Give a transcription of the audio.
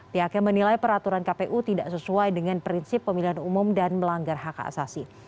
pihaknya menilai peraturan kpu tidak sesuai dengan prinsip pemilihan umum dan melanggar hak asasi